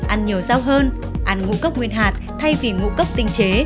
ăn nhiều rau hơn ăn ngũ cốc nguyên hạt thay vì ngũ cốc tinh chế